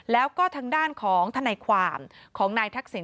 แล้วก็ทางด้านของทนายความของนายทักษิณ